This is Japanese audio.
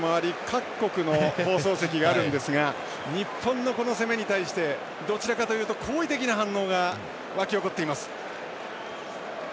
各国の放送席があるんですが日本のこの攻めに対してどちらかというと好意的な反応が沸き起こっています。